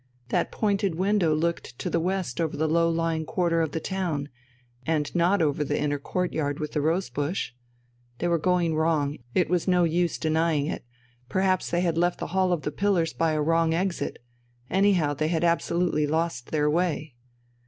That pointed window looked to the west over the low lying quarter of the town and not over the inner courtyard with the rose bush. They were going wrong, it was no use denying it; perhaps they had left the hall of the pillars by a wrong exit anyhow they had absolutely lost their way.